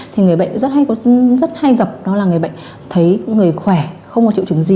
thì người bệnh rất hay gặp đó là người bệnh thấy người khỏe không có triệu chứng gì